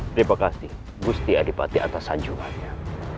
terima kasih gusti adipati atas anjungannya